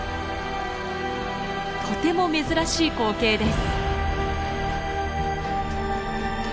とても珍しい光景です。